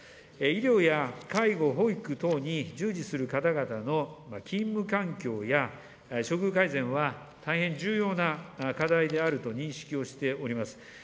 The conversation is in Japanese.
医療や介護、保育等に従事する方々の勤務環境や処遇改善は、大変重要な課題であると認識をしております。